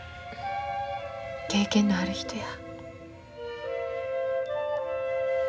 経験のある人や。